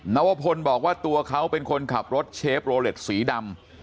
นวพลบอกว่าตัวเขาเป็นคนขับรถเชฟโรเล็ตสีดำ